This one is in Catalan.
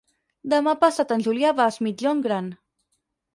Demà passat en Julià va a Es Migjorn Gran.